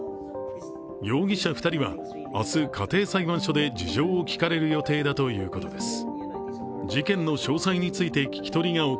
容疑者２人は明日、家庭裁判所で事情を聴かれる予定だということでおぉ・おぅ！